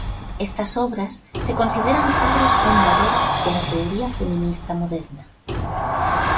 Estas obras se consideran obras fundadoras de la teoría feminista moderna.